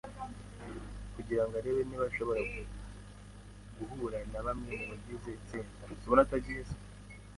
Nkusi yagiye inyuma kugirango arebe niba ashobora guhura na bamwe mubagize itsinda.